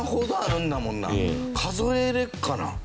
数えられるかな？